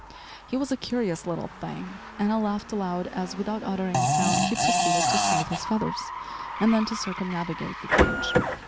He was a curious little thing and I laughed aloud as, without uttering a sound, he proceeded to smooth his feathers, and then to circumnavigate the cage.